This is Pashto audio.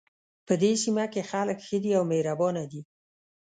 په دې سیمه کې خلک ښه دي او مهربانه دي